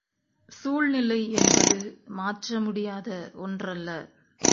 சூழ்நிலை என்பது மாற்றமுடியாத ஒன்றல்ல.